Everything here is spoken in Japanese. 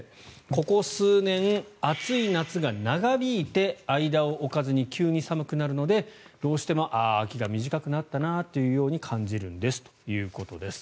ここ数年、暑い夏が長引いて間を置かずに急に寒くなるのでどうしても秋が短くなったなというように感じるんですということです。